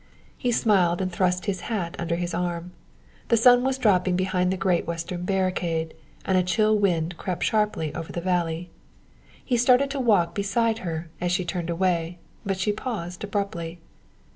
He smiled and thrust his hat under his arm. The sun was dropping behind the great western barricade, and a chill wind crept sharply over the valley. He started to walk beside her as she turned away, but she paused abruptly.